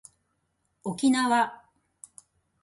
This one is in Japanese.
沖縄